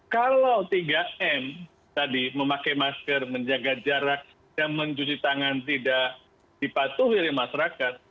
kalau tiga m tadi memakai masker menjaga jarak dan mencuci tangan tidak dipatuhi oleh masyarakat